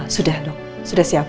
sudah dong sudah siap